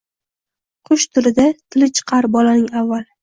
qush tilida tili chiqar bolaning avval